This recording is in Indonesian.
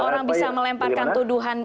orang bisa melemparkan tuduhan